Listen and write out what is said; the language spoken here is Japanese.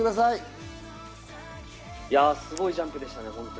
いや、すごいジャンプでしたね。